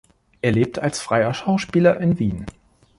Er lebt als freier Schauspieler in Wien.